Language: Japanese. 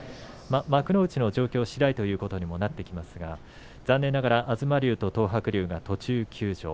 幕内の状況しだいということにもなりますが残念ながら、東龍と東白龍は途中休場。